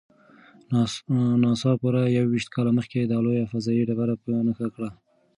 ناسا پوره یوویشت کاله مخکې دا لویه فضايي ډبره په نښه کړه.